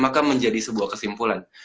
maka menjadi sebuah kesimpulan